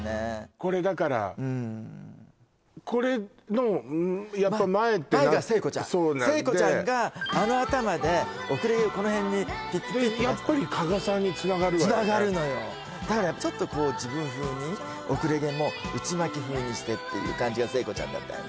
これだからこれのやっぱ前って前が聖子ちゃん聖子ちゃんがあの頭で後れ毛をこの辺にピピピッてやっぱり加賀さんにつながるわよねつながるのよだからちょっとこう自分風に後れ毛も内巻き風にしてっていう感じが聖子ちゃんだったよね